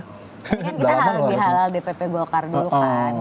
kita lagi halal dpp golkar dulu kan